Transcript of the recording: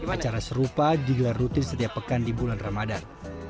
acara serupa digelar rutin setiap pekan di bulan ramadan